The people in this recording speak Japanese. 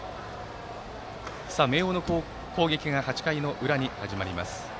明桜の攻撃が８回の裏に始まります。